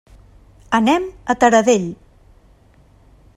Anem a Taradell.